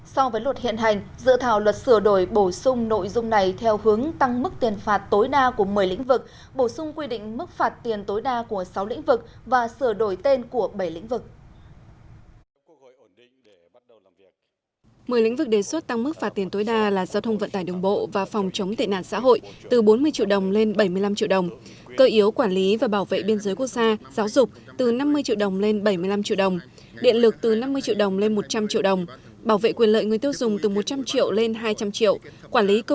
so với luật hiện hành dự thảo luật sửa đổi bổ sung nội dung này theo hướng tăng mức tiền phạt tối đa của một mươi lĩnh vực bổ sung quy định mức phạt tiền tối đa của sáu lĩnh vực và sửa đổi tên của bảy lĩnh vực